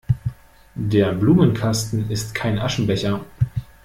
Der Blumenkasten ist kein Aschenbecher!